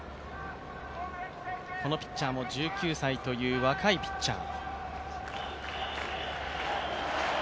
このピッチャーも１９歳という若いピッチャー。